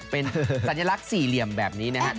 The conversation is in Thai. เป็นสัญลักษณ์สี่เหลี่ยมแบบนี้นะครับ